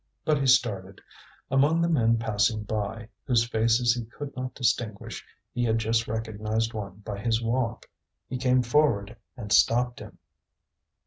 But he started. Among the men passing by, whose faces he could not distinguish, he had just recognized one by his walk. He came forward and stopped him.